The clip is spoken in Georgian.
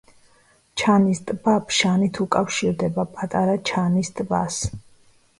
ჩანის ტბა ფშანით უკავშირდება პატარა ჩანის ტბას.